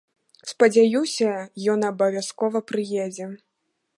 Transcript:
Спадзяюся, ён абавязкова прыедзе!